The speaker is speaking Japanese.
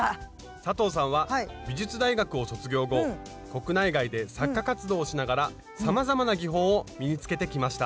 佐藤さんは美術大学を卒業後国内外で作家活動をしながらさまざまな技法を身につけてきました。